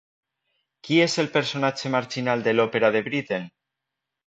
Qui és el personatge marginal de l'òpera de Britten?